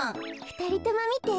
ふたりともみて！